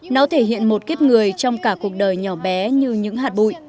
nó thể hiện một kiếp người trong cả cuộc đời nhỏ bé như những hạt bụi